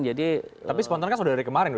tapi spontan kan sudah dari kemarin